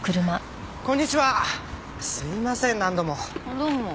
どうも。